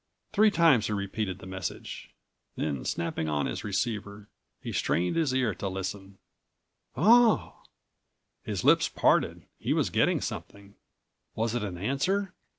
Three times he repeated the message. Then snapping on his receiver,182 he strained his ear to listen. "Ah!—" his lips parted. He was getting something. Was it an answer?